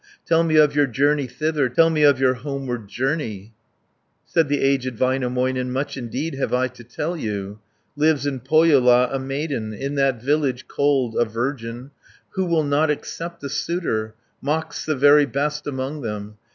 Tell me of your journey thither; Tell me of your homeward journey." 80 Said the aged Väinämöinen, "Much indeed have I to tell you: Lives in Pohjola a maiden, In that village cold a virgin, Who will not accept a suitor, Mocks the very best among them.